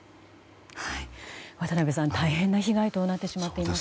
渡辺さん、大変な被害となってしまっていますね。